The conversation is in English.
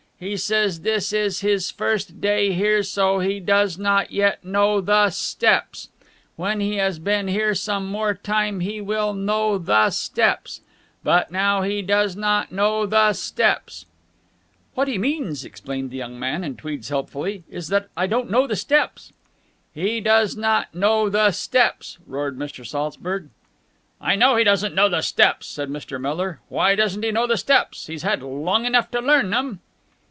He says this is his first day here, so he does not yet know the steps. When he has been here some more time he will know the steps. But now he does not know the steps." "What he means," explained the young man in tweeds helpfully, "is that I don't know the steps." "He does not know the steps!" roared Mr. Saltzburg. "I know he doesn't know the steps," said Mr. Miller. "Why doesn't he know the steps? He's had long enough to learn them."